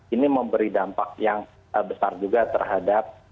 ini memberi dampak yang besar juga terhadap